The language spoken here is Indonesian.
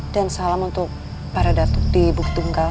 dan salam untuk para datuk di bukit tunggal